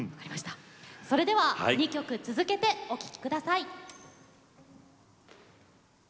それでは２曲続けてお聴きください。